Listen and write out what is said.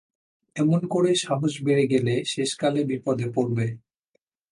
এমন করে সাহস বেড়ে গেলে শেষকালে বিপদে পড়বে।